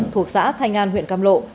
thuộc xã thanh an huyện cam lộ